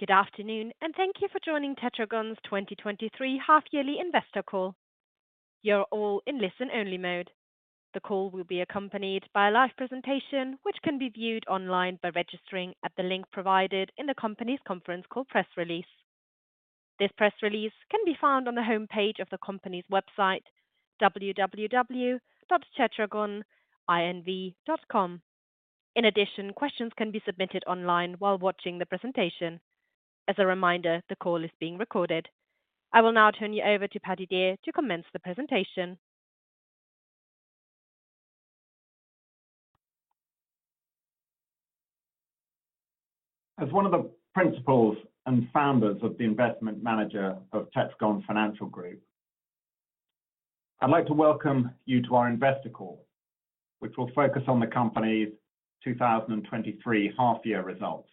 Good afternoon. Thank you for joining Tetragon's 2023 half-yearly investor call. You're all in listen-only mode. The call will be accompanied by a live presentation, which can be viewed online by registering at the link provided in the company's conference call press release. This press release can be found on the homepage of the company's website, www.tetragoninv.com. In addition, questions can be submitted online while watching the presentation. As a reminder, the call is being recorded. I will now turn you over to Paddy Dear to commence the presentation. As one of the principals and founders of the investment manager of Tetragon Financial Group, I'd like to welcome you to our investor call, which will focus on the company's 2023 half-year results.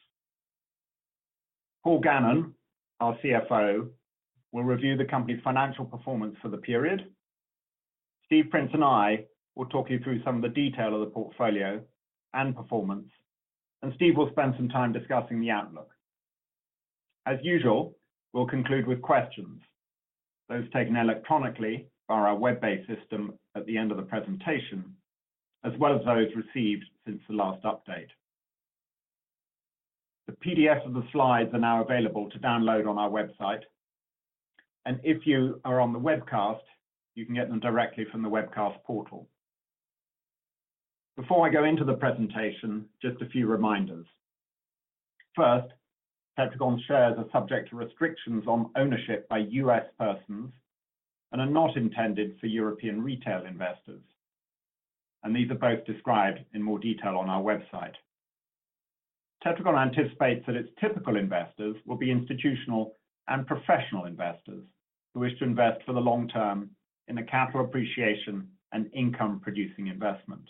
Paul Gannon, our CFO, will review the company's financial performance for the period. Stephen Prince and I will talk you through some of the detail of the portfolio and performance. Steve will spend some time discussing the outlook. As usual, we'll conclude with questions. Those taken electronically via our web-based system at the end of the presentation, as well as those received since the last update. The PDF of the slides are now available to download on our website. If you are on the webcast, you can get them directly from the webcast portal. Before I go into the presentation, just a few reminders. First, Tetragon shares are subject to restrictions on ownership by U.S. persons and are not intended for European retail investors. These are both described in more detail on our website. Tetragon anticipates that its typical investors will be institutional and professional investors who wish to invest for the long term in a capital appreciation and income-producing investment.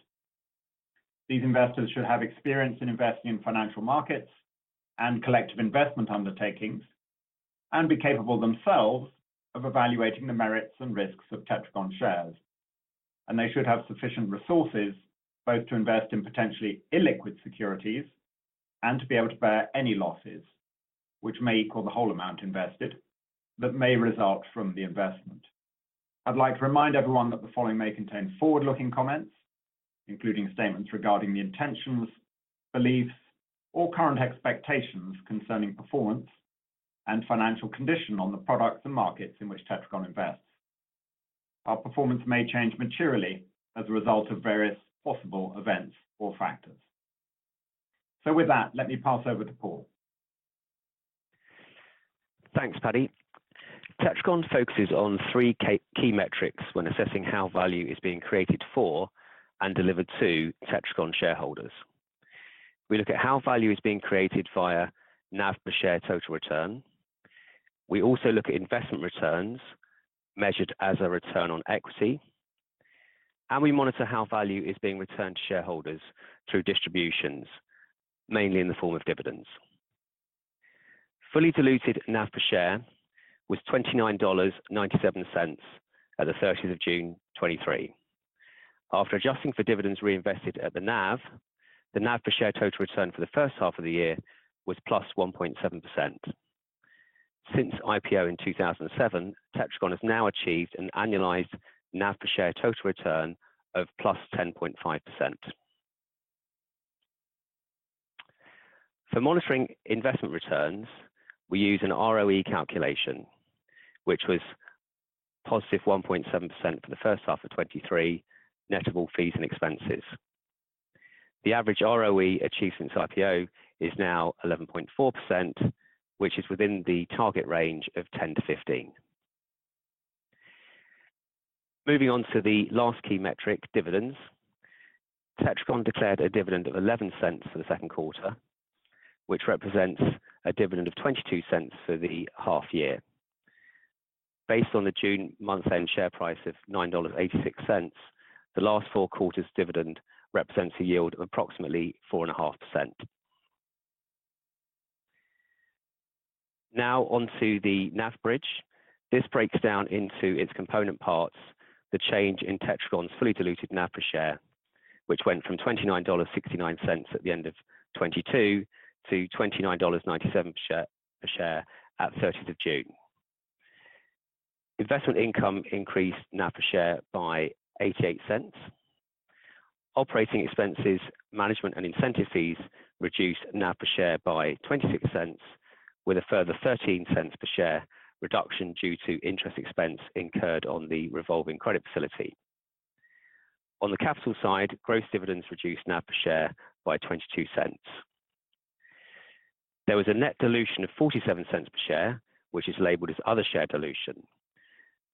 These investors should have experience in investing in financial markets and collective investment undertakings, and be capable themselves of evaluating the merits and risks of Tetragon shares. They should have sufficient resources, both to invest in potentially illiquid securities and to be able to bear any losses, which may equal the whole amount invested that may result from the investment. I'd like to remind everyone that the following may contain forward-looking comments, including statements regarding the intentions, beliefs, or current expectations concerning performance and financial condition on the products and markets in which Tetragon invests. Our performance may change materially as a result of various possible events or factors. With that, let me pass over to Paul. Thanks, Paddy. Tetragon focuses on three key metrics when assessing how value is being created for and delivered to Tetragon shareholders. We look at how value is being created via NAV per share total return. We also look at investment returns, measured as a return on equity, and we monitor how value is being returned to shareholders through distributions, mainly in the form of dividends. Fully diluted NAV per share was $29.97 at the 30th of June 2023. After adjusting for dividends reinvested at the NAV, the NAV per share total return for the first half of the year was +1.7%. Since IPO in 2007, Tetragon has now achieved an annualized NAV per share total return of +10.5%. For monitoring investment returns, we use an ROE calculation, which was positive 1.7% for the first half of 2023, net of all fees and expenses. The average ROE achieved since IPO is now 11.4%, which is within the target range of 10%-15%. Moving on to the last key metric, dividends. Tetragon declared a dividend of $0.11 for the second quarter, which represents a dividend of $0.22 for the half year. Based on the June month-end share price of $9.86, the last four quarters' dividend represents a yield of approximately 4.5%. Now onto the NAV bridge. This breaks down into its component parts, the change in Tetragon's fully diluted NAV per share, which went from $29.69 at the end of 2022 to $29.97 per share, per share at 30th of June. Investment income increased NAV per share by $0.88. Operating expenses, management, and incentive fees reduced NAV per share by $0.26, with a further $0.13 per share reduction due to interest expense incurred on the revolving credit facility. On the capital side, gross dividends reduced NAV per share by $0.22. There was a net dilution of $0.47 per share, which is labeled as other share dilution.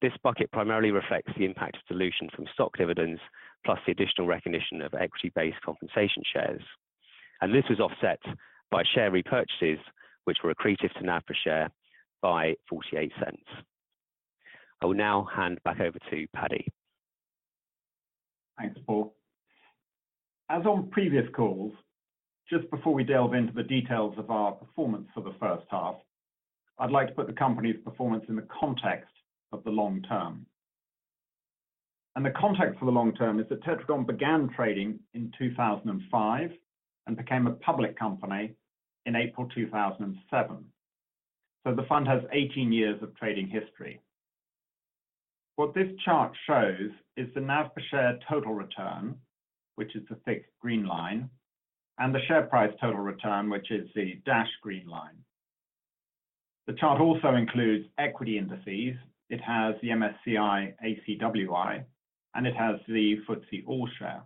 This bucket primarily reflects the impact of dilution from stock dividends, plus the additional recognition of equity-based compensation shares. This is offset by share repurchases, which were accretive to NAV per share by $0.48. I will now hand back over to Paddy. Thanks, Paul. As on previous calls, just before we delve into the details of our performance for the first half, I'd like to put the company's performance in the context of the long term. The context for the long term is that Tetragon began trading in 2005 and became a public company in April 2007. The fund has 18 years of trading history. What this chart shows is the NAV per share total return, which is the thick green line, and the share price total return, which is the dashed green line. The chart also includes equity indices. It has the MSCI ACWI, and it has the FTSE All-Share.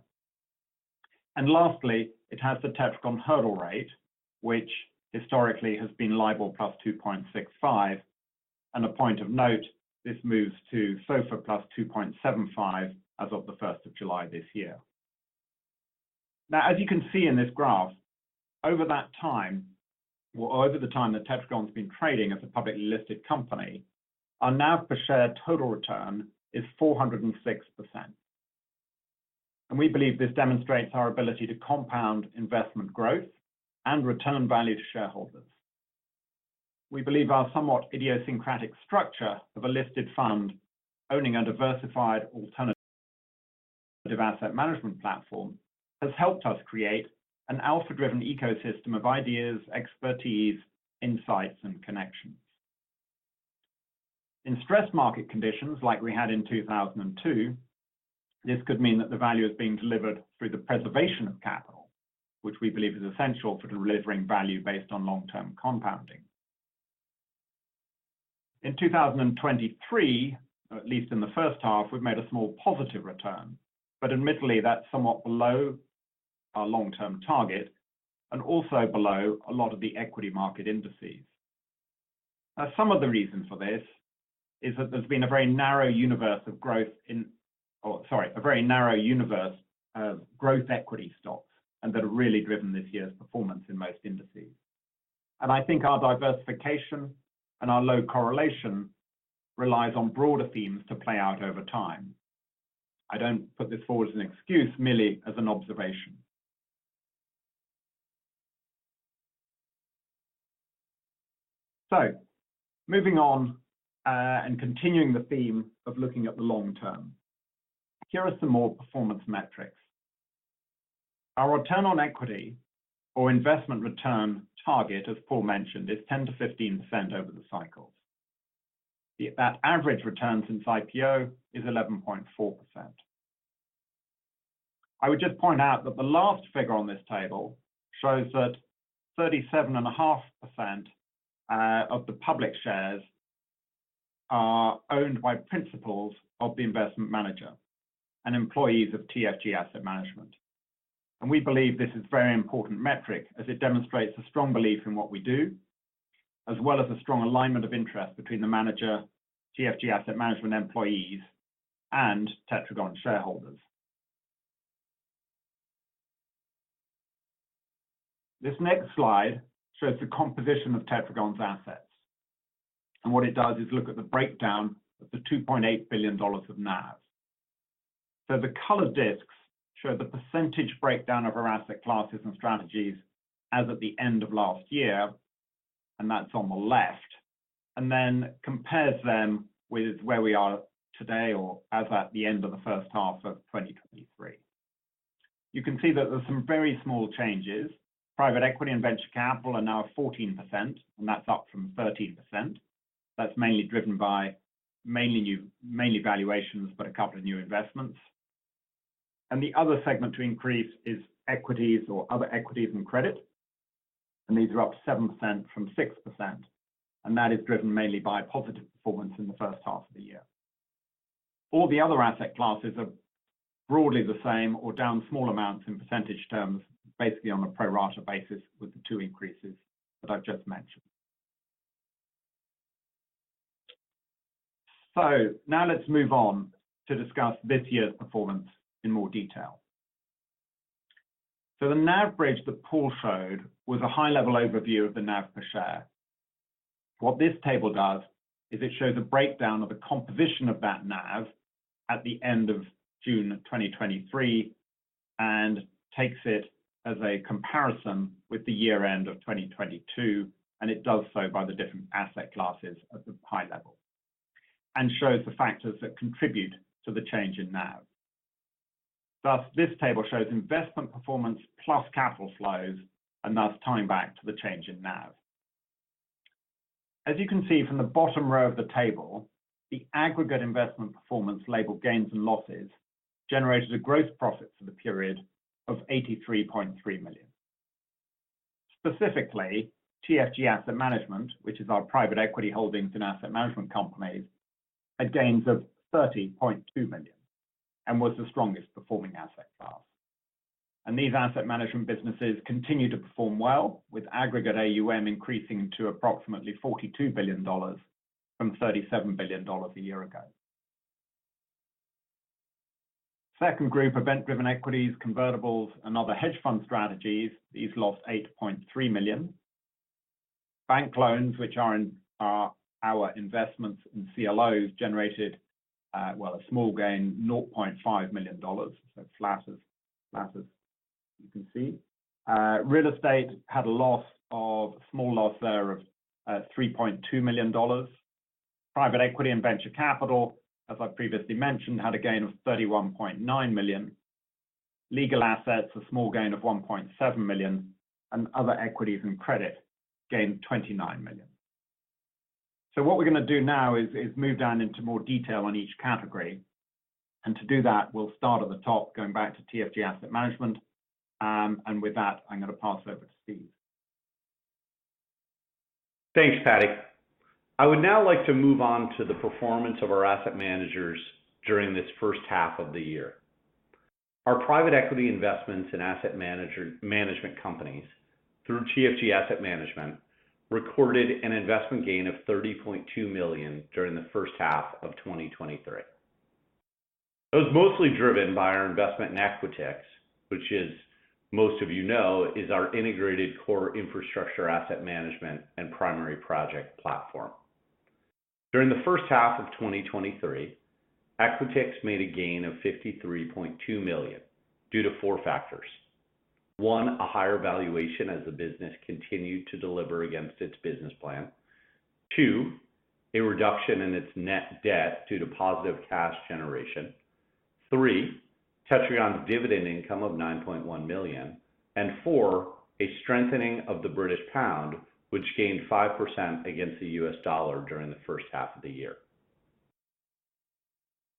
Lastly, it has the Tetragon hurdle rate, which historically has been LIBOR +2.65. A point of note, this moves to SOFR +2.75 as of the first of July this year. As you can see in this graph, over that time, or over the time that Tetragon's been trading as a publicly listed company, our NAV per share total return is 406%. We believe this demonstrates our ability to compound investment growth and return value to shareholders. We believe our somewhat idiosyncratic structure of a listed fund owning a diversified alternative asset management platform, has helped us create an alpha-driven ecosystem of ideas, expertise, insights, and connections. In stress market conditions like we had in 2002, this could mean that the value is being delivered through the preservation of capital, which we believe is essential for delivering value based on long-term compounding. In 2023, or at least in the first half, we've made a small positive return, but admittedly, that's somewhat below our long-term target and also below a lot of the equity market indices. Some of the reasons for this is that there's been a very narrow universe of growth Oh, sorry, a very narrow universe of growth equity stocks, and that have really driven this year's performance in most indices. I think our diversification and our low correlation relies on broader themes to play out over time. I don't put this forward as an excuse, merely as an observation. Moving on, and continuing the theme of looking at the long term, here are some more performance metrics. Our return on equity or investment return target, as Paul mentioned, is 10%-15% over the cycles. The average return since IPO is 11.4%. I would just point out that the last figure on this table shows that 37.5% of the public shares are owned by principals of the investment manager and employees of TFG Asset Management. We believe this is very important metric as it demonstrates a strong belief in what we do, as well as a strong alignment of interest between the manager, TFG Asset Management employees, and Tetragon shareholders. This next slide shows the composition of Tetragon's assets, what it does is look at the breakdown of the $2.8 billion of NAV. The color discs show the percentage breakdown of our asset classes and strategies as at the end of last year, and that's on the left, and then compares them with where we are today or as at the end of the first half of 2023. You can see that there's some very small changes. Private equity and venture capital are now 14%, and that's up from 13%. That's mainly driven by mainly valuations, but a couple of new investments. The other segment to increase is equities or other equities and credit, and these are up 7% from 6%, and that is driven mainly by positive performance in the first half of the year. All the other asset classes are broadly the same or down small amounts in percentage terms, basically on a pro rata basis, with the two increases that I've just mentioned. Now let's move on to discuss this year's performance in more detail. The NAV bridge that Paul showed was a high-level overview of the NAV per share. What this table does is it shows a breakdown of the composition of that NAV at the end of June 2023, and takes it as a comparison with the year end of 2022, and it does so by the different asset classes at the high level, and shows the factors that contribute to the change in NAV. Thus, this table shows investment performance plus capital flows, and thus tying back to the change in NAV. As you can see from the bottom row of the table, the aggregate investment performance, labeled gains and losses, generated a gross profit for the period of $83.3 million. Specifically, TFG Asset Management, which is our private equity holdings and asset management companies, had gains of $30.2 million and was the strongest performing asset class. These asset management businesses continue to perform well, with aggregate AUM increasing to approximately $42 billion from $37 billion a year ago. Second group, event-driven equities, convertibles, and other hedge fund strategies, these lost $8.3 million. Bank loans, which are in, are our investments in CLOs, generated, well, a small gain, $0.5 million. It flattens. You can see real estate had a loss of, a small loss there of, $3.2 million. Private equity and venture capital, as I previously mentioned, had a gain of $31.9 million. Legal assets, a small gain of $1.7 million, and other equities and credit gained $29 million. What we're gonna do now is, is move down into more detail on each category. To do that, we'll start at the top, going back to TFG Asset Management. With that, I'm gonna pass it over to Steve. Thanks, Paddy. I would now like to move on to the performance of our asset managers during this first half of the year. Our private equity investments and asset management companies, through TFG Asset Management, recorded an investment gain of $30.2 million during the first half of 2023. It was mostly driven by our investment in Equitix, which as most of you know, is our integrated core infrastructure, asset management, and primary project platform. During the first half of 2023, Equitix made a gain of $53.2 million due to four factors: One, a higher valuation as the business continued to deliver against its business plan. Two, a reduction in its net debt due to positive cash generation. Three, Tetragon's dividend income of $9.1 million. Four, a strengthening of the British pound, which gained 5% against the U.S. dollar during the first half of the year.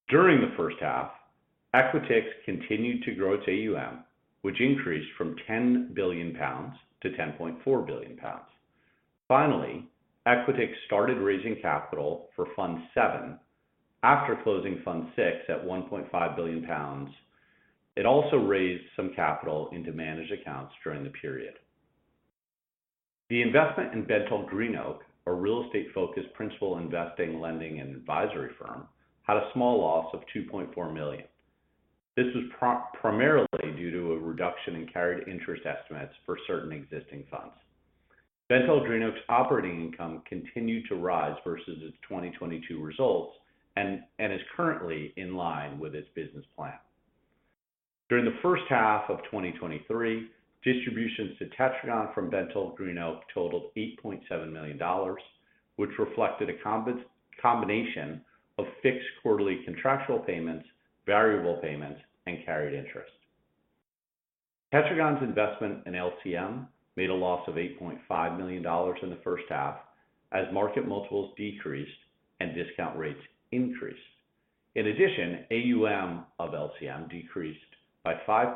During the first half, Equitix continued to grow its AUM, which increased from 10 billion pounds to 10.4 billion pounds. Finally, Equitix started raising capital for Fund VII after closing Fund VI at 1.5 billion pounds. It also raised some capital into managed accounts during the period. The investment in BentallGreenOak, a real estate-focused principal investing, lending, and advisory firm, had a small loss of $2.4 million. This was primarily due to a reduction in carried interest estimates for certain existing funds. BentallGreenOak's operating income continued to rise versus its 2022 results and is currently in line with its business plan. During the first half of 2023, distributions to Tetragon from BentallGreenOak totaled $8.7 million, which reflected a combination of fixed quarterly contractual payments, variable payments, and carried interest. Tetragon's investment in LCM made a loss of $8.5 million in the first half, as market multiples decreased and discount rates increased. In addition, AUM of LCM decreased by 5%,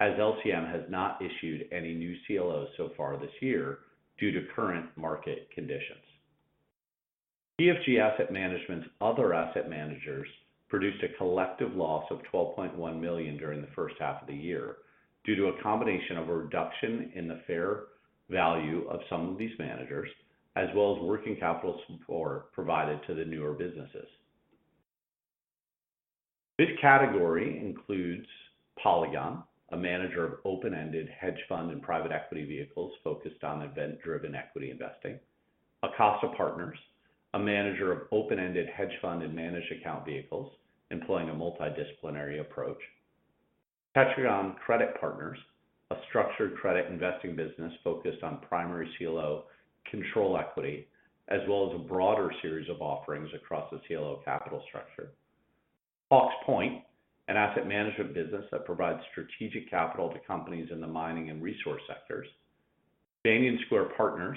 as LCM has not issued any new CLOs so far this year due to current market conditions. TFG Asset Management's other asset managers produced a collective loss of $12.1 million during the first half of the year, due to a combination of a reduction in the fair value of some of these managers, as well as working capital support provided to the newer businesses. This category includes Polygon, a manager of open-ended hedge fund and private equity vehicles focused on event-driven equity investing. Acasta Partners, a manager of open-ended hedge fund and managed account vehicles, employing a multidisciplinary approach. Tetragon Credit Partners, a structured credit investing business focused on primary CLO control equity, as well as a broader series of offerings across the CLO capital structure. Hawke's Point, an asset management business that provides strategic capital to companies in the mining and resource sectors. Banyan Square Partners,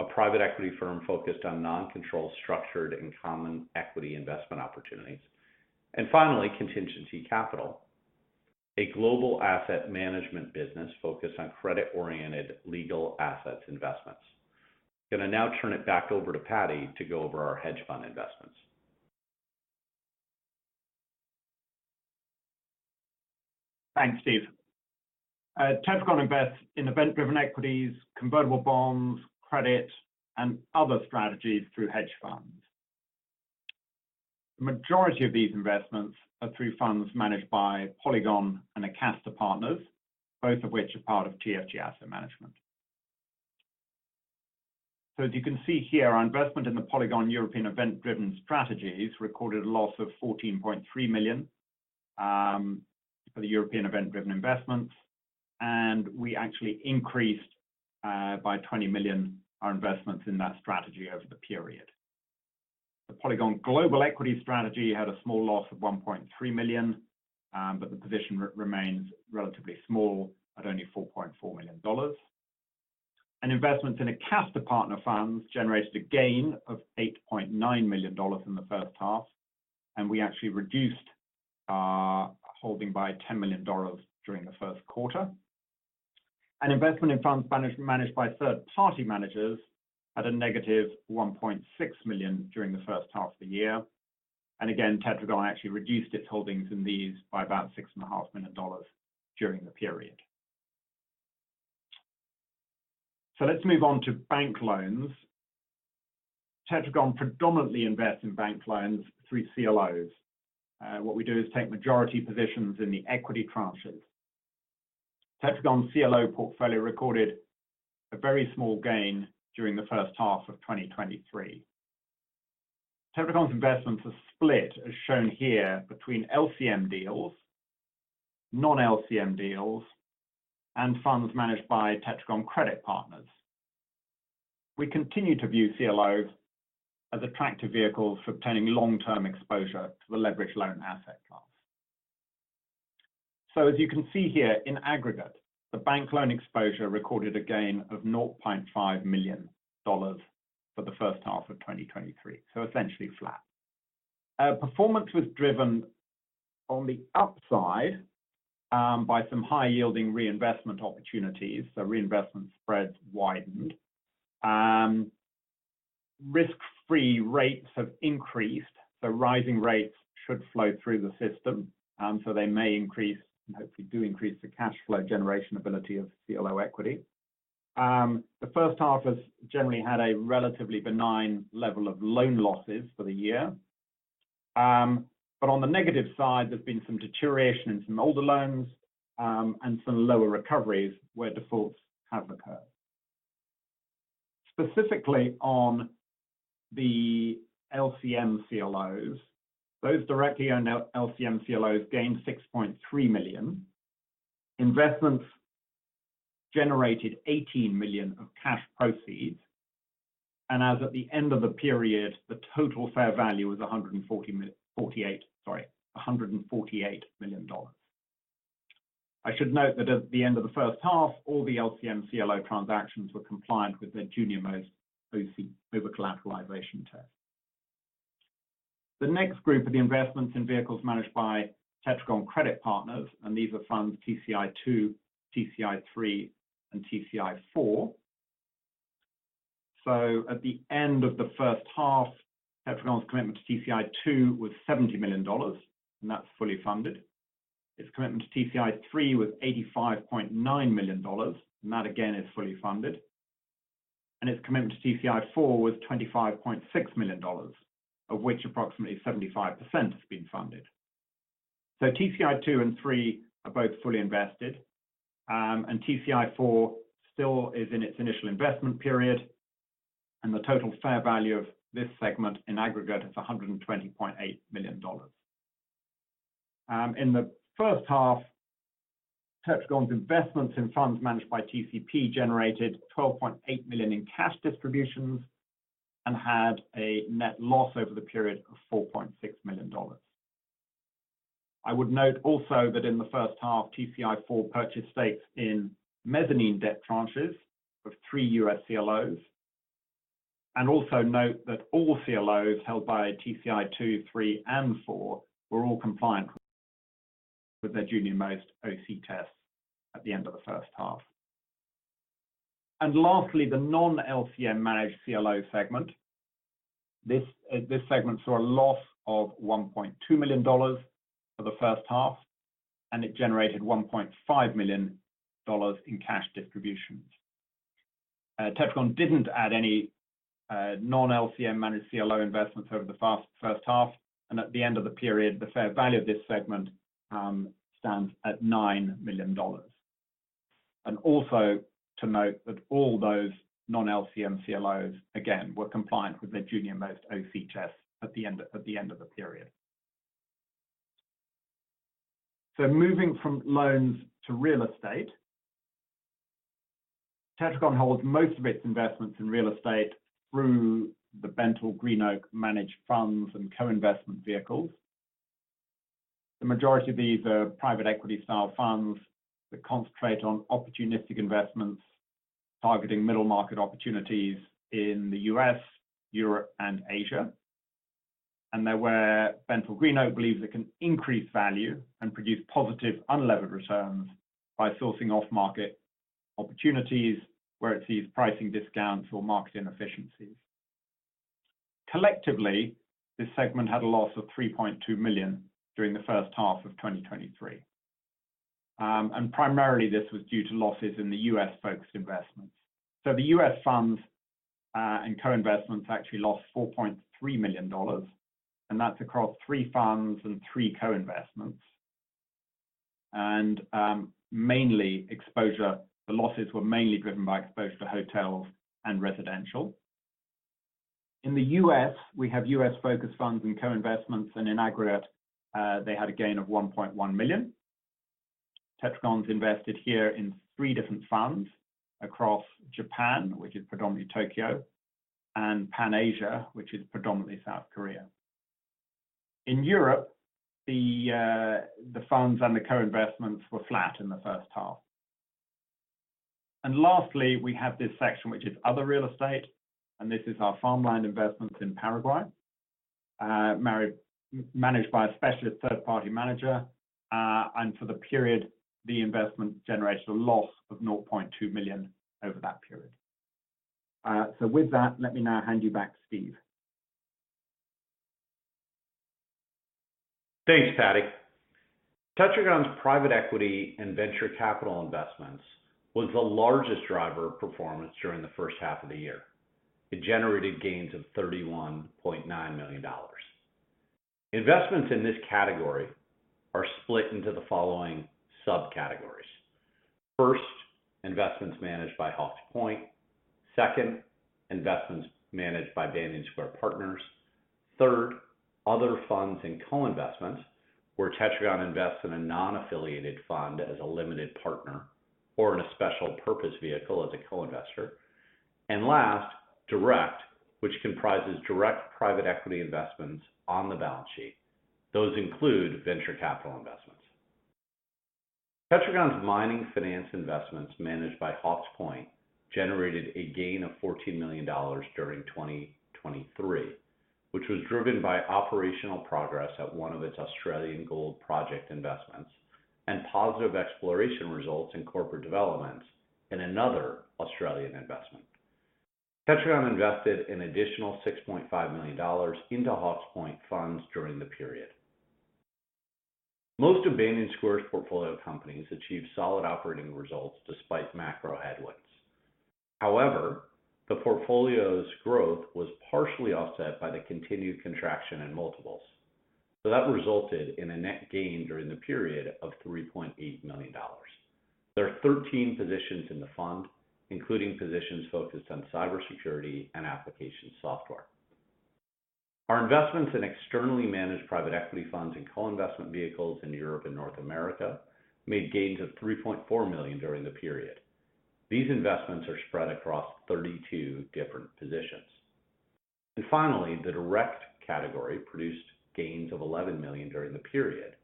a private equity firm focused on non-controlled, structured, and common equity investment opportunities. Finally, Contingency Capital, a global asset management business focused on credit-oriented legal assets investments. I'm gonna now turn it back over to Paddy to go over our hedge fund investments. Thanks, Steve. Tetragon invests in event-driven equities, convertible bonds, credit, and other strategies through hedge funds. The majority of these investments are through funds managed by Polygon and Acasta Partners, both of which are part of TFG Asset Management. As you can see here, our investment in the Polygon European event-driven strategies recorded a loss of $14.3 million for the European event-driven investments, and we actually increased by $20 million our investments in that strategy over the period. The Polygon global equity strategy had a small loss of $1.3 million, the position remains relatively small at only $4.4 million. Investments in Acasta Partners funds generated a gain of $8.9 million in the first half, and we actually reduced our holding by $10 million during the first quarter. An investment in funds managed by third-party managers had a negative $1.6 million during the first half of the year. Again, Tetragon actually reduced its holdings in these by about $6.5 million during the period. Let's move on to bank loans. Tetragon predominantly invests in bank loans through CLOs. What we do is take majority positions in the equity tranches. Tetragon's CLO portfolio recorded a very small gain during the first half of 2023. Tetragon's investments are split, as shown here, between LCM deals, non-LCM deals, and funds managed by Tetragon Credit Partners. We continue to view CLOs as attractive vehicles for obtaining long-term exposure to the leveraged loan asset class. As you can see here, in aggregate, the bank loan exposure recorded a gain of $0.5 million for the first half of 2023, so essentially flat. Performance was driven on the upside, by some high-yielding reinvestment opportunities, so reinvestment spreads widened. Risk-free rates have increased, so rising rates should flow through the system, so they may increase, and hopefully do increase, the cash flow generation ability of CLO equity. The first half has generally had a relatively benign level of loan losses for the year. On the negative side, there's been some deterioration in some older loans, and some lower recoveries where defaults have occurred. Specifically on the LCM CLOs, those directly owned LCM CLOs gained $6.3 million. Investments generated $18 million of cash proceeds, and as at the end of the period, the total fair value was $148 million. I should note that at the end of the first half, all the LCM CLO transactions were compliant with their junior most OC over-collateralization test. The next group are the investments in vehicles managed by Tetragon Credit Partners, and these are funds TCI II, TCI III, and TCI IV. At the end of the first half, Tetragon's commitment to TCI II was $70 million, and that's fully funded. Its commitment to TCI III was $85.9 million, and that again, is fully funded. Its commitment to TCI IV was $25.6 million, of which approximately 75% has been funded. TCI II and III are both fully invested, TCI IV still is in its initial investment period, the total fair value of this segment in aggregate is $120.8 million. In the first half, Tetragon's investments in funds managed by TCP generated $12.8 million in cash distributions and had a net loss over the period of $4.6 million. I would note also that in the first half, TCI IV purchased stakes in mezzanine debt tranches of three U.S. CLOs. Also note that all CLOs held by TCI II, III, and IV were all compliant with their junior most OC tests at the end of the first half. Lastly, the non-LCM managed CLO segment. This, this segment saw a loss of $1.2 million for the first half, and it generated $1.5 million in cash distributions. Tetragon didn't add any non-LCM-managed CLO investments over the first half, and at the end of the period, the fair value of this segment stands at $9 million. Also to note that all those non-LCM CLOs, again, were compliant with their junior most OC tests at the end of the period. Moving from loans to real estate, Tetragon holds most of its investments in real estate through the BentallGreenOak-managed funds and co-investment vehicles. The majority of these are private equity-style funds that concentrate on opportunistic investments, targeting middle-market opportunities in the U.S., Europe, and Asia. They're where BentallGreenOak believes it can increase value and produce positive, unlevered returns by sourcing off-market opportunities where it sees pricing discounts or market inefficiencies. Collectively, this segment had a loss of $3.2 million during the first half of 2023. Primarily this was due to losses in the U.S.-focused investments. The U.S. funds and co-investments actually lost $4.3 million, and that's across three funds and three co-investments. Mainly exposure-- the losses were mainly driven by exposure to hotels and residential. In the U.S., we have U.S.-focused funds and co-investments, and in aggregate, they had a gain of $1.1 million. Tetragon's invested here in three different funds across Japan, which is predominantly Tokyo, and Pan Asia, which is predominantly South Korea. In Europe, the funds and the co-investments were flat in the first half. Lastly, we have this section, which is other real estate, and this is our farmland investments in Paraguay, managed by a specialist third-party manager. For the period, the investment generated a loss of $0.2 million over that period. With that, let me now hand you back, Steve. Thanks, Paddy. Tetragon's private equity and venture capital investments was the largest driver of performance during the first half of the year. It generated gains of $31.9 million. Investments in this category are split into the following subcategories: First, investments managed by Hawke's Point. Second, investments managed by Banyan Square Partners. Third, other funds and co-investments, where Tetragon invests in a non-affiliated fund as a limited partner or in a special purpose vehicle as a co-investor. Last, direct, which comprises direct private equity investments on the balance sheet. Those include venture capital investments. Tetragon's mining finance investments managed by Hawke's Point generated a gain of $14 million during 2023, which was driven by operational progress at one of its Australian gold project investments, and positive exploration results in corporate developments in another Australian investment. Tetragon invested an additional $6.5 million into Hawke's Point funds during the period. Most of Banyan Square's portfolio companies achieved solid operating results despite macro headwinds. The portfolio's growth was partially offset by the continued contraction in multiples. That resulted in a net gain during the period of $3.8 million. There are 13 positions in the fund, including positions focused on cybersecurity and application software. Our investments in externally managed private equity funds and co-investment vehicles in Europe and North America made gains of $3.4 million during the period. These investments are spread across 32 different positions. Finally, the direct category produced gains of $11 million during the period,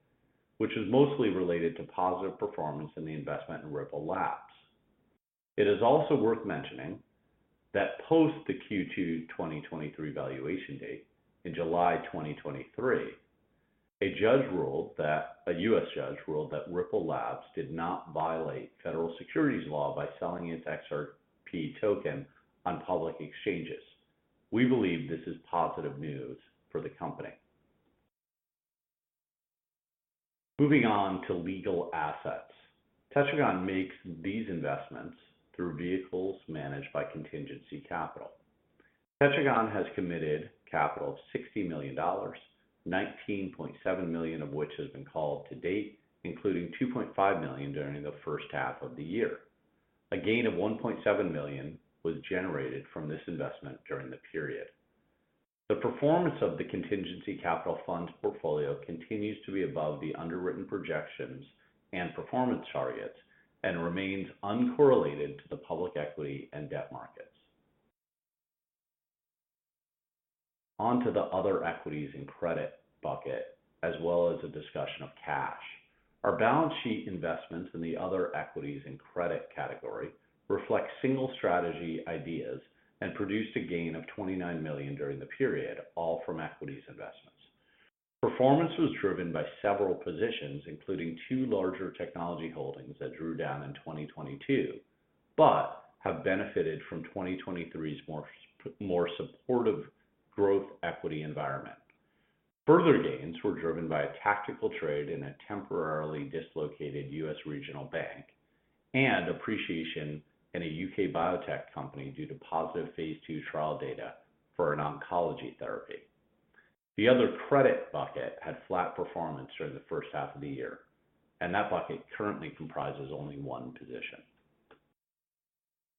which is mostly related to positive performance in the investment in Ripple Labs. It is also worth mentioning that post the Q2 2023 valuation date, in July 2023, a U.S. judge ruled that Ripple Labs did not violate federal securities law by selling its XRP token on public exchanges. We believe this is positive news for the company. Moving on to legal assets. Tetragon makes these investments through vehicles managed by Contingency Capital. Tetragon has committed capital of $60 million, $19.7 million of which has been called to date, including $2.5 million during the first half of the year. A gain of $1.7 million was generated from this investment during the period. The performance of the Contingency Capital Funds portfolio continues to be above the underwritten projections and performance targets, and remains uncorrelated to the public equity and debt markets. On to the other equities and credit bucket, as well as a discussion of cash. Our balance sheet investments in the other equities and credit category reflect single strategy ideas and produced a gain of $29 million during the period, all from equities investments. Performance was driven by several positions, including two larger technology holdings that drew down in 2022, but have benefited from 2023's more supportive growth equity environment. Further gains were driven by a tactical trade in a temporarily dislocated U.S. regional bank, and appreciation in a U.K. biotech company due to positive phase II trial data for an oncology therapy. The other credit bucket had flat performance during the first half of the year. That bucket currently comprises only one position.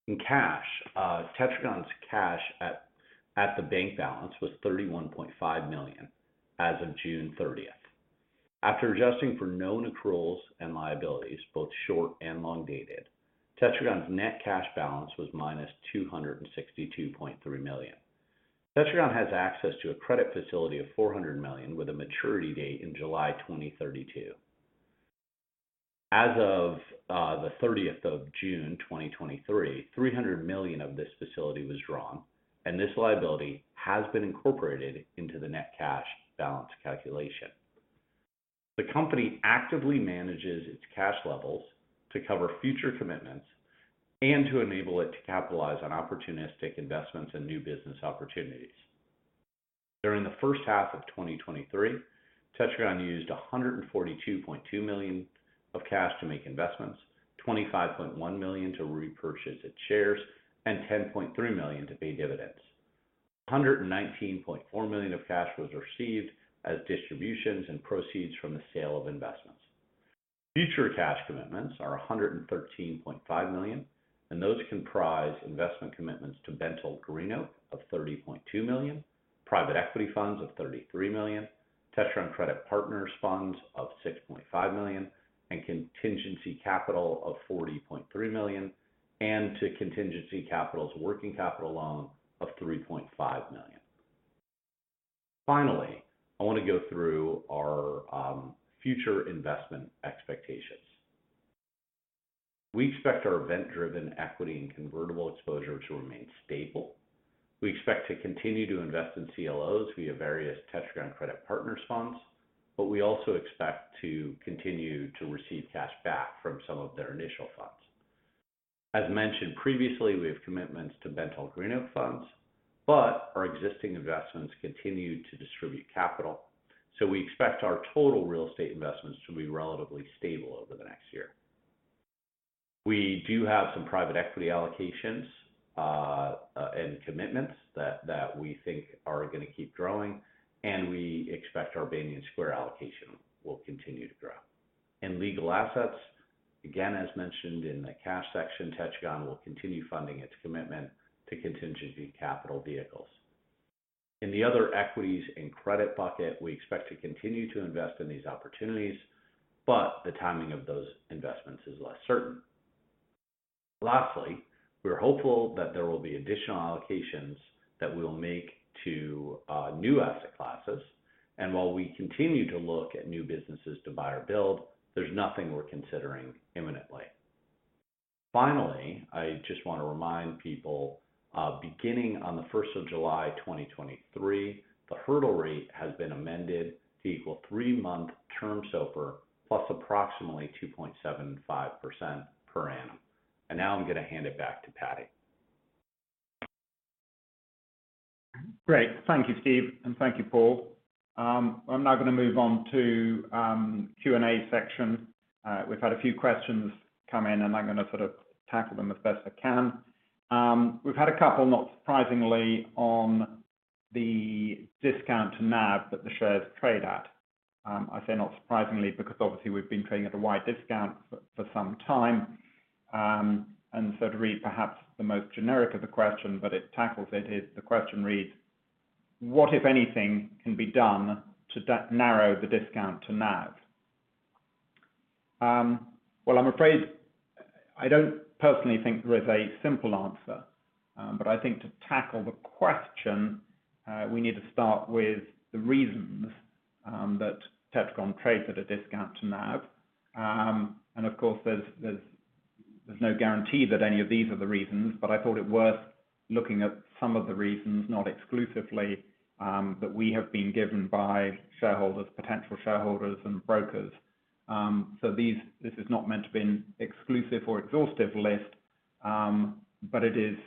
In cash, Tetragon's cash at the bank balance was $31.5 million as of June 30th. After adjusting for known accruals and liabilities, both short and long dated, Tetragon's net cash balance was -$262.3 million. Tetragon has access to a credit facility of $400 million, with a maturity date in July 2032. As of the 30th of June 2023, $300 million of this facility was drawn, and this liability has been incorporated into the net cash balance calculation. The company actively manages its cash levels to cover future commitments and to enable it to capitalize on opportunistic investments and new business opportunities. During the first half of 2023, Tetragon used $142.2 million of cash to make investments, $25.1 million to repurchase its shares, and $10.3 million to pay dividends. $119.4 million of cash was received as distributions and proceeds from the sale of investments. Future cash commitments are $113.5 million, and those comprise investment commitments to BentallGreenOak of $30.2 million, private equity funds of $33 million, Tetragon Credit Partners Funds of $6.5 million, and Contingency Capital of $40.3 million, and to Contingency Capital's working capital loan of $3.5 million. Finally, I want to go through our future investment expectations. We expect our event-driven equity and convertible exposure to remain stable. We expect to continue to invest in CLOs via various Tetragon Credit Partners funds, but we also expect to continue to receive cash back from some of their initial funds. As mentioned previously, we have commitments to BentallGreenOak funds, but our existing investments continue to distribute capital, so we expect our total real estate investments to be relatively stable over the next year. We do have some private equity allocations and commitments that, that we think are going to keep growing, and we expect our Banyan Square allocation will continue to grow. In legal assets, again, as mentioned in the cash section, Tetragon will continue funding its commitment to Contingency Capital vehicles. In the other equities and credit bucket, we expect to continue to invest in these opportunities, but the timing of those investments is less certain. Lastly, we are hopeful that there will be additional allocations that we will make to new asset classes, and while we continue to look at new businesses to buy or build, there's nothing we're considering imminently. Finally, I just want to remind people, beginning on the first of July, 2023, the hurdle rate has been amended to equal three-month term SOFR plus approximately 2.75% per annum. Now I'm going to hand it back to Paddy. Great. Thank you, Steve, and thank you, Paul. I'm now going to move on to Q&A section. We've had a few questions come in, and I'm going to sort of tackle them as best I can. We've had a couple, not surprisingly, on the discount to NAV that the shares trade at. I say not surprisingly, because obviously we've been trading at a wide discount for some time. To read perhaps the most generic of the question, but it tackles it, is the question reads: What, if anything, can be done to that narrow the discount to NAV? Well, I'm afraid I don't personally think there is a simple answer. I think to tackle the question, we need to start with the reasons that Tetragon trades at a discount to NAV. Of course, there's, there's, there's no guarantee that any of these are the reasons, but I thought it worth looking at some of the reasons, not exclusively, that we have been given by shareholders, potential shareholders and brokers. This is not meant to be an exclusive or exhaustive list, but it is,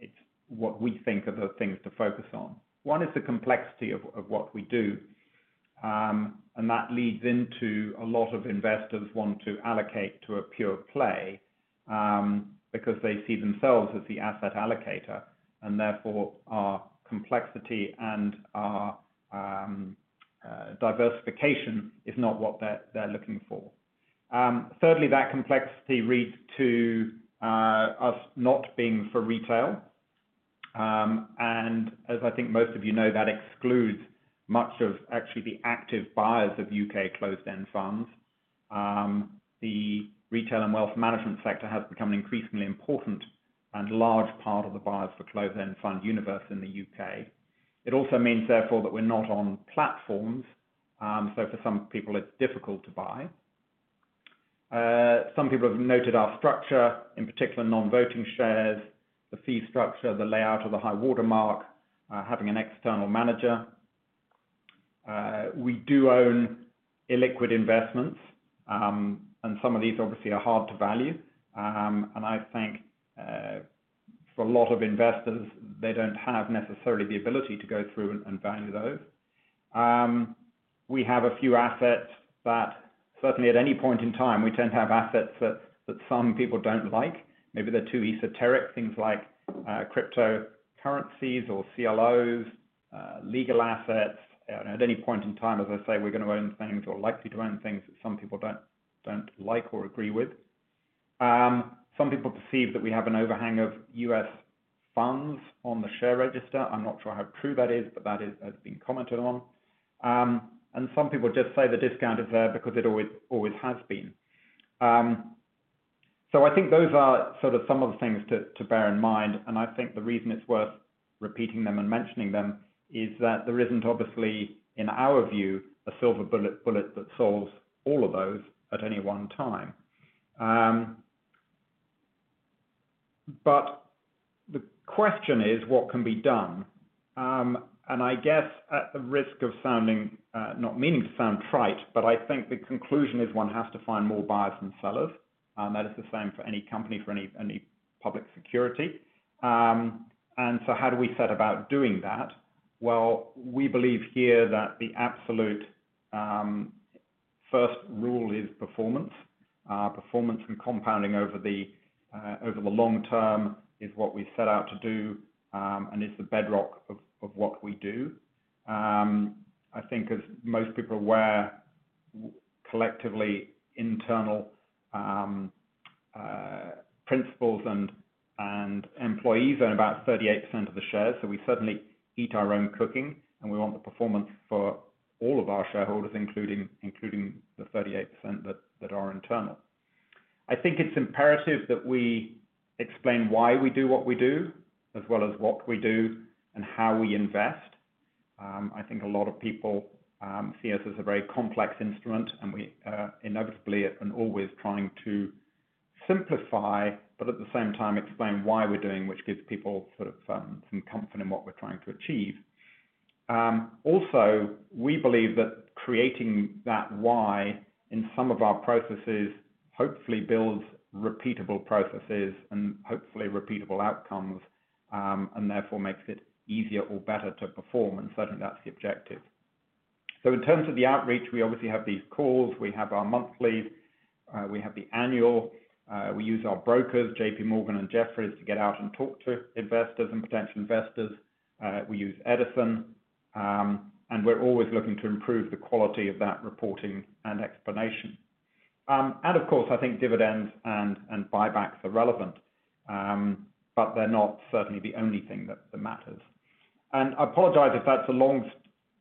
it's what we think are the things to focus on. One is the complexity of, of what we do. That leads into a lot of investors want to allocate to a pure play, because they see themselves as the asset allocator, and therefore, our complexity and our diversification is not what they're, they're looking for. Thirdly, that complexity reads to us not being for retail. As I think most of you know, that excludes much of actually the active buyers of U.K. closed-end funds. The retail and wealth management sector has become an increasingly important and large part of the buyers for closed-end fund universe in the U.K. It also means, therefore, that we're not on platforms, so for some people it's difficult to buy. Some people have noted our structure, in particular, non-voting shares, the fee structure, the layout of the high water mark, having an external manager. We do own illiquid investments, some of these obviously are hard to value. I think, for a lot of investors, they don't have necessarily the ability to go through and value those. We have a few assets that certainly at any point in time, we tend to have assets that, that some people don't like. Maybe they're too esoteric, things like cryptocurrencies or CLOs, legal assets. At any point in time, as I say, we're going to own things or likely to own things that some people don't, don't like or agree with. Some people perceive that we have an overhang of U.S. funds on the share register. I'm not sure how true that is, but that is, has been commented on. Some people just say the discount is there because it always, always has been. I think those are sort of some of the things to, to bear in mind, and I think the reason it's worth repeating them and mentioning them is that there isn't obviously, in our view, a silver bullet, bullet that solves all of those at any one time. The question is, what can be done? I guess at the risk of sounding, not meaning to sound trite, but I think the conclusion is one has to find more buyers than sellers. That is the same for any company, for any, any public security. How do we set about doing that? Well, we believe here that the absolute, first rule is performance. Performance and compounding over the over the long term is what we set out to do, and it's the bedrock of what we do. I think as most people are aware, collectively, internal principals and employees own about 38% of the shares, so we certainly eat our own cooking, and we want the performance for all of our shareholders, including, including the 38% that are internal. I think it's imperative that we explain why we do what we do, as well as what we do and how we invest. I think a lot of people see us as a very complex instrument, and we are inevitably and always trying to simplify, but at the same time explain why we're doing, which gives people sort of some comfort in what we're trying to achieve. Also, we believe that creating that why in some of our processes, hopefully builds repeatable processes and hopefully repeatable outcomes, and therefore makes it easier or better to perform, and certainly that's the objective. In terms of the outreach, we obviously have these calls. We have our monthly, we have the annual, we use our brokers, JPMorgan and Jefferies, to get out and talk to investors and potential investors. We use Edison, and we're always looking to improve the quality of that reporting and explanation. And of course, I think dividends and, and buybacks are relevant, but they're not certainly the only thing that matters. I apologize if that's a long,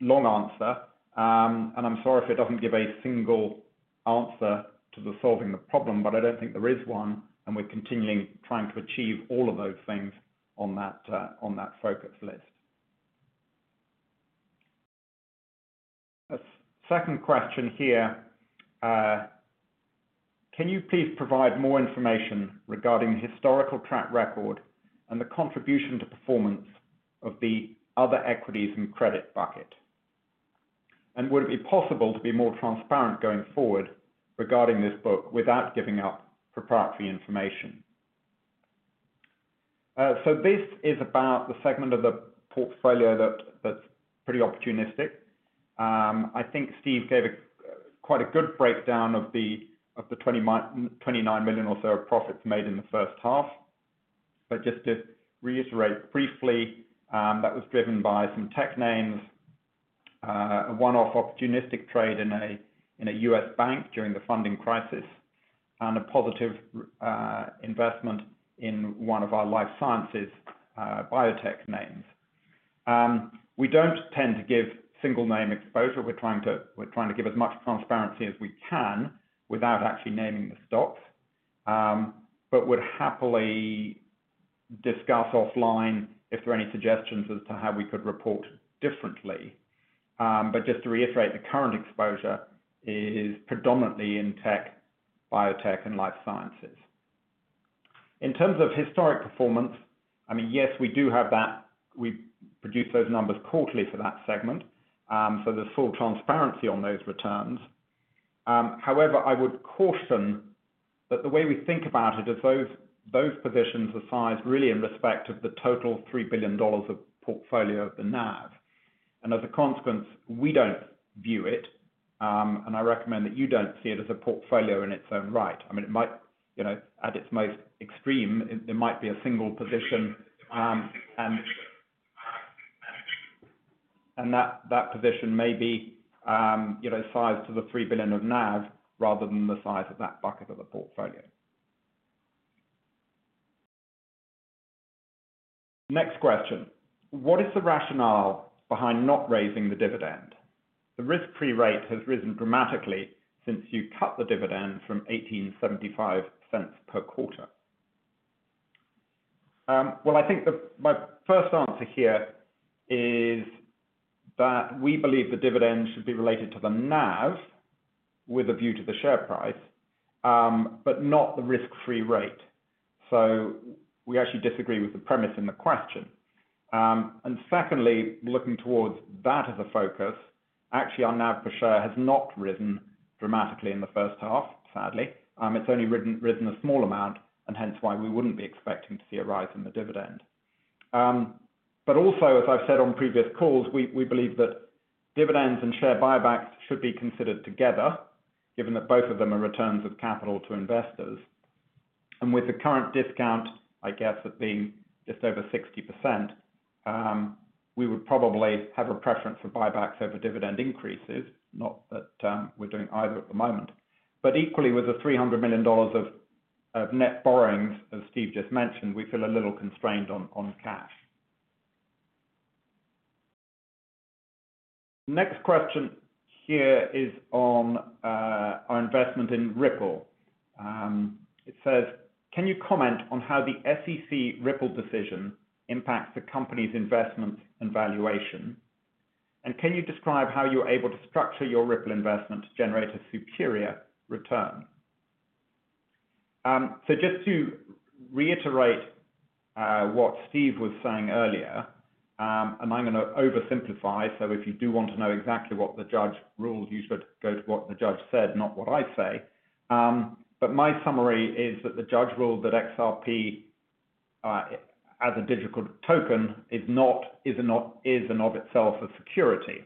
long answer, and I'm sorry if it doesn't give a single answer to the solving the problem, but I don't think there is one, and we're continuing trying to achieve all of those things on that, on that focus list. A second question here. Can you please provide more information regarding the historical track record and the contribution to performance of the other equities and credit bucket? Would it be possible to be more transparent going forward regarding this book without giving out proprietary information? So this is about the segment of the portfolio that, that's pretty opportunistic. I think Steve gave a, quite a good breakdown of the, of the $29 million or so of profits made in the first half. Just to reiterate briefly, that was driven by some tech names, a one-off opportunistic trade in a U.S. bank during the funding crisis, and a positive investment in one of our life sciences, biotech names. We don't tend to give single name exposure. We're trying to, we're trying to give as much transparency as we can without actually naming the stocks. Would happily discuss offline if there are any suggestions as to how we could report differently. Just to reiterate, the current exposure is predominantly in tech, biotech, and life sciences. In terms of historic performance, I mean, yes, we do have that. We produce those numbers quarterly for that segment, so there's full transparency on those returns. However, I would caution that the way we think about it is those, those positions are sized really in respect of the total $3 billion of portfolio of the NAV. As a consequence, we don't view it, and I recommend that you don't see it as a portfolio in its own right. I mean, it might, at its most extreme, it might be a single position, and that, that position may be sized to the $3 billion of NAV rather than the size of that bucket of the portfolio. Next question: What is the rationale behind not raising the dividend? The risk-free rate has risen dramatically since you cut the dividend from $0.1875 per quarter. Well, I think my first answer here is that we believe the dividend should be related to the NAV with a view to the share price, but not the risk-free rate. We actually disagree with the premise in the question. Secondly, looking towards that as a focus, actually, our NAV per share has not risen dramatically in the first half, sadly. It's only risen a small amount, hence why we wouldn't be expecting to see a rise in the dividend. Also, as I've said on previous calls, we, we believe that dividends and share buybacks should be considered together, given that both of them are returns of capital to investors. With the current discount, I guess, at being just over 60%, we would probably have a preference for buybacks over dividend increases, not that we're doing either at the moment, but equally with the $300 million of net borrowings, as Steve just mentioned, we feel a little constrained on cash. Next question here is on our investment in Ripple. It says, "Can you comment on how the SEC Ripple decision impacts the company's investments and valuation? And can you describe how you're able to structure your Ripple investment to generate a superior return?" Just to reiterate what Steve was saying earlier, and I'm gonna oversimplify, so if you do want to know exactly what the judge ruled, you should go to what the judge said, not what I say. My summary is that the judge ruled that XRP, as a digital token, is not in and of itself a security.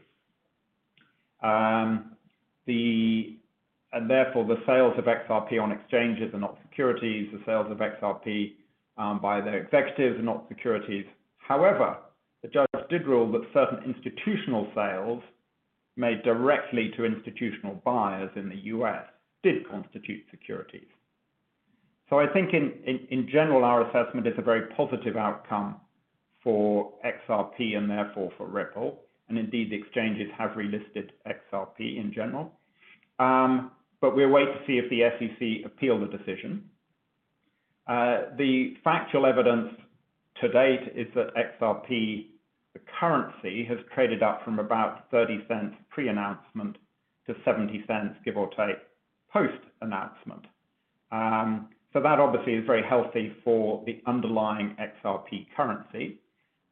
Therefore, the sales of XRP on exchanges are not securities. The sales of XRP, by their executives are not securities. However, the judge did rule that certain institutional sales made directly to institutional buyers in the U.S. did constitute securities. I think in, in general, our assessment is a very positive outcome for XRP and therefore for Ripple. Indeed, the exchanges have relisted XRP in general. We await to see if the SEC appeal the decision. The factual evidence to date is that XRP, the currency, has traded up from about $0.30 pre-announcement to $0.70, give or take, post-announcement. That obviously is very healthy for the underlying XRP currency.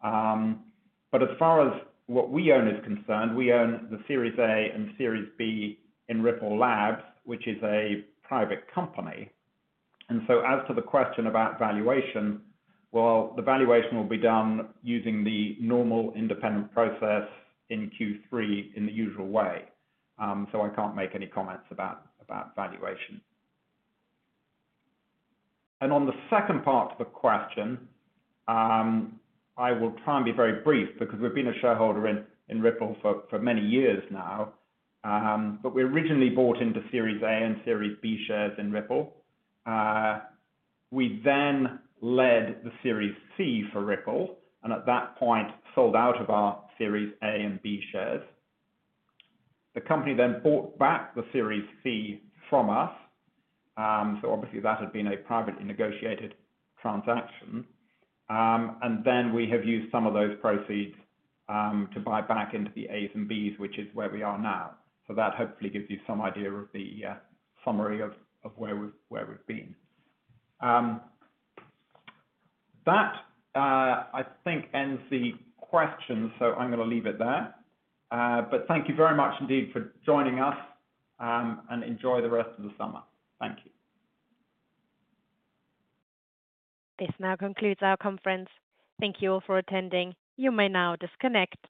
As far as what we own is concerned, we own the Series A and Series B in Ripple Labs, which is a private company. As to the question about valuation, well, the valuation will be done using the normal independent process in Q3 in the usual way. I can't make any comments about, about valuation. On the second part of the question, I will try and be very brief because we've been a shareholder in, in Ripple for many years now. We originally bought into Series A and Series B shares in Ripple. We then led the Series C for Ripple, at that point, sold out of our Series A and B shares. The company then bought back the Series C from us. Obviously that had been a privately negotiated transaction. We have used some of those proceeds to buy back into the A's and B's, which is where we are now. That hopefully gives you some idea of the summary of where we've, where we've been. That, I think ends the questions. I'm going to leave it there. Thank you very much indeed for joining us, and enjoy the rest of the summer. Thank you. This now concludes our conference. Thank you all for attending. You may now disconnect.